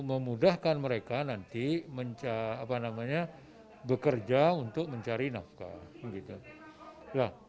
memudahkan mereka nanti bekerja untuk mencari nafkah